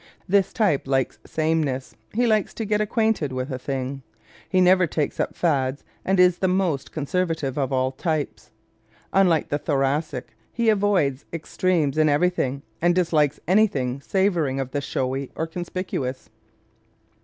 This type likes sameness. He likes to "get acquainted" with a thing. He never takes up fads and is the most conservative of all types. Unlike the Thoracic, he avoids extremes in everything and dislikes anything savoring of the "showy" or conspicuous.